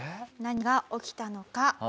何が起きたのか？